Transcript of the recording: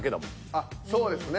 あっそうですね。